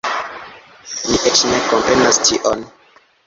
Mi eĉ ne komprenas tion